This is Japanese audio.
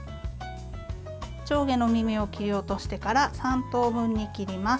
上下の耳を切り落としてから３等分に切ります。